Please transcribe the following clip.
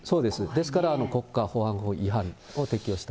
ですから国家保安法違反を適用したと。